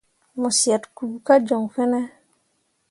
Mo syet kpu kah joŋ fene ?